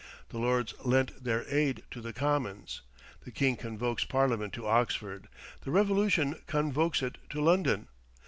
The Lords lent their aid to the Commons. The king convokes Parliament to Oxford; the revolution convokes it to London.